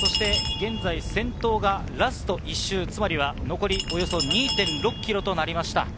先頭はラスト１周、残りおよそ２．６ｋｍとなりました。